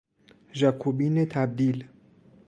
ژاکوبین تبدیل